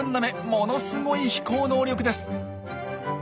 ものすごい飛行能力です。